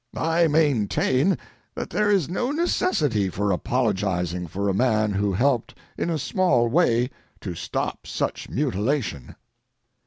I maintain that there is no necessity for apologizing for a man who helped in a small way to stop such mutilation.